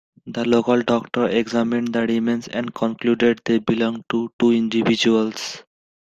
A local doctor examined the remains and concluded they belonged to two individuals.